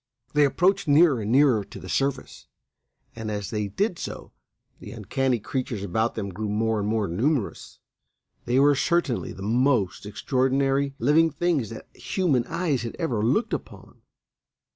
They approached nearer and nearer to the surface, and as they did so the uncanny creatures about them grew more and more numerous. They were certainly the most extraordinary living things that human eyes had ever looked upon.